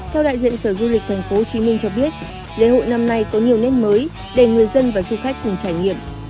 theo đại diện sở du lịch tp hcm cho biết lễ hội năm nay có nhiều nét mới để người dân và du khách cùng trải nghiệm